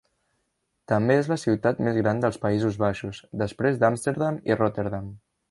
També és la ciutat més gran dels Països Baixos, després d'Amsterdam i Rotterdam.